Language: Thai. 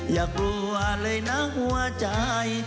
อย่ากลัวเลยนะหัวใจ